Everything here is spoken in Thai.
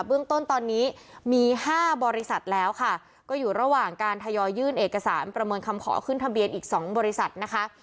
เรื่องต้นตอนนี้มี๕บริษัทแล้วค่ะก็อยู่ระหว่างการทยอยยื่นเอกสารประเมินคำขอขึ้นทะเบียนอีก๒บริษัทนะคะ